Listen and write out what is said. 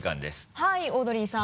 はいオードリーさん。